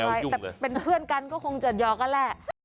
แต่เป็นเพื่อนกันก็คงจะหยอกกันแหละ